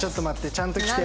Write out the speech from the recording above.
ちゃんと来て。